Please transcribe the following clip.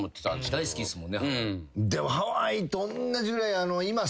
大好きっすもんねハワイ。